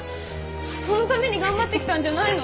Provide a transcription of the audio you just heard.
そのために頑張ってきたんじゃないの？